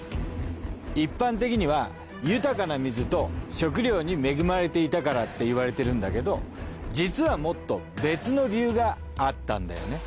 一般的には豊かな水と食料に恵まれていたからっていわれているんだけど実はもっと別の理由があったんだよね。